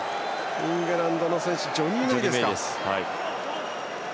イングランドの選手ジョニー・メイですか。